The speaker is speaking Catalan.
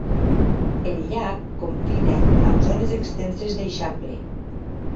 El llac confina amb zones extenses d'eixample.